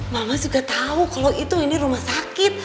mama juga tau kalo itu ini rumah sakit